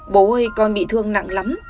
bố ơi con bị thương nặng lắm